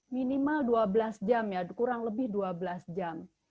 minimal dua belas jam ya kurang lebih dua belas jam